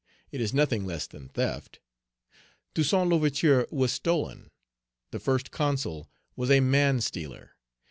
It is nothing less than theft. Toussaint L'Ouverture was stolen. The First Consul was a man stealer.